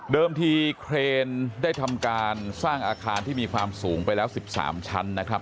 ทีเครนได้ทำการสร้างอาคารที่มีความสูงไปแล้ว๑๓ชั้นนะครับ